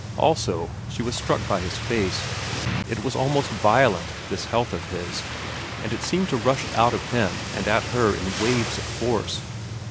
Also, she was struck by his face. It was almost violent, this health of his, and it seemed to rush out of him and at her in waves of force.